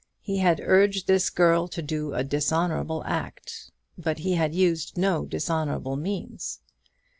He had urged this girl to do a dishonourable act, but he had used no dishonourable means.